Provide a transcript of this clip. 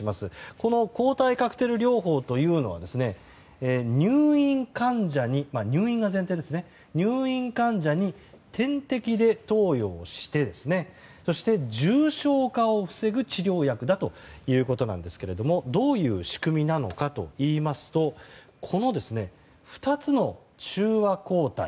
この抗体カクテル療法というのは入院患者に点滴で投与をしてそして、重症化を防ぐ治療薬だということですがどういう仕組みなのかといいますとこの２つの中和抗体